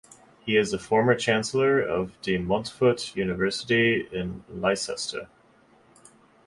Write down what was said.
He is the former Chancellor of De Montfort University in Leicester.